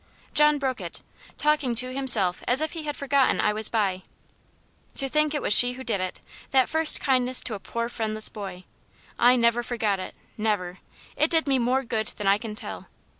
John broke it talking to himself as if he had forgotten I was by. "To think it was she who did it that first kindness to a poor friendless boy. I never forgot it never. It did me more good than I can tell.